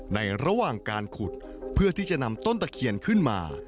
ในระหว่างการขุดเพื่อที่จะนำต้นตะเคียนขึ้นมา